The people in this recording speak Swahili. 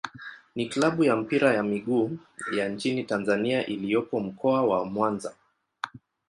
ni klabu ya mpira wa miguu ya nchini Tanzania iliyopo Mkoa wa Mwanza.